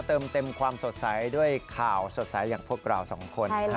เติมเต็มความสดใสด้วยข่าวสดใสอย่างพวกเราสองคน